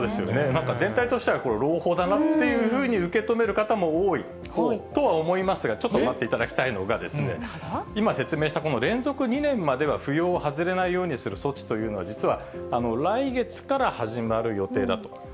なんか全体としたら、これ、朗報だなというふうに受け止める方も多いとは思いますが、ちょっと待っていただきたいのがですね、今、説明したこの連続２年までは扶養を外れないようにする措置というのは、実は来月から始まる予定だと。